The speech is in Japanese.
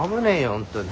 本当に。